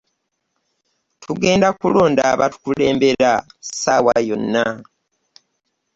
Tugenda kulonda abatukulembera ssaawa yonna.